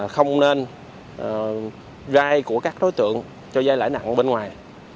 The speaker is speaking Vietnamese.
không nên gai của các đối tượng cho gai lãi nặng bên ngoài